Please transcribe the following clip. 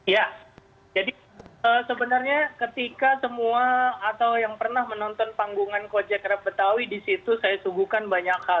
ya jadi sebenarnya ketika semua atau yang pernah menonton panggungan kojek kreb betawi disitu saya sungguhkan banyak hal